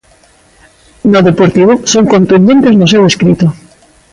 No Deportivo son contundentes no seu escrito.